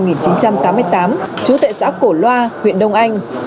nguyễn ngọc phương sinh năm một nghìn chín trăm tám mươi tám chú tệ xã cổ loa huyện đông anh